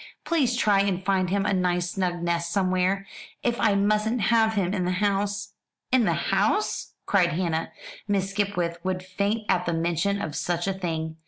Please try and find him a nice snug nest somewhere if I mustn't have him in the house." "In the house!" cried Hannah. "Miss Skipwith would faint at the mention of such a thing.